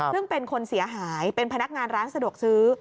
ซึ่งเป็นคนเสียหายเป็นพนักงานร้านสะดวกซื้อ